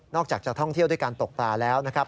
อกจากจะท่องเที่ยวด้วยการตกปลาแล้วนะครับ